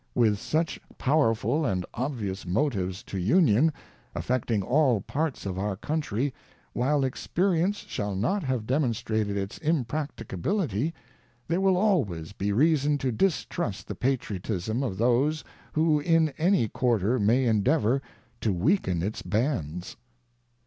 With such powerful and obvi ous motives to Union, affecting all parts of our country, while experience shall not have demonstrated its impracticability, there will always be reason to distrust the patriotism of those, who in any quarter may endeavor to weaken its bands.